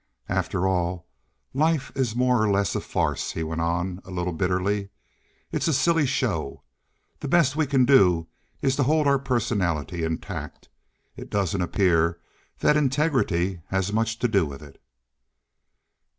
"After all, life is more or less of a farce," he went on a little bitterly. "It's a silly show. The best we can do is to hold our personality intact. It doesn't appear that integrity has much to do with it."